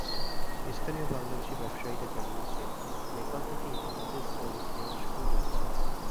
স্থানীয় বাংলাদেশি ব্যবসায়ীরা জানিয়েছেন, নেপাল থেকে ইতিমধ্যে শ্রমিক নেওয়া শুরু হয়েছে।